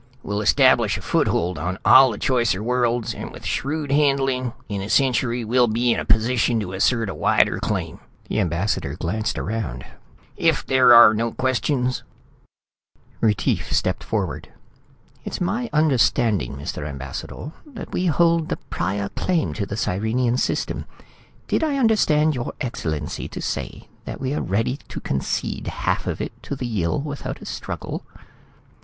We'll establish a foothold on all the choicer worlds. And, with shrewd handling, in a century we'll be in a position to assert a wider claim." The ambassador glanced around. "If there are no questions "Retief stepped forward. "It's my understanding, Mr. Ambassador, that we hold the prior claim to the Sirenian System. Did I understand your Excellency to say that we're ready to concede half of it to the Yill without a struggle?"